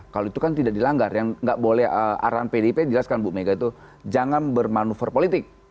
kalau itu kan tidak dilanggar yang nggak boleh arahan pdip jelaskan bu mega itu jangan bermanuver politik